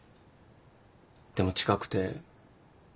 でも違くて。